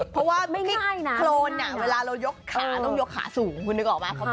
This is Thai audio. เพราะว่าโครนเวลาเรายกขาต้องยกขาสูงคุณนึกออกไหม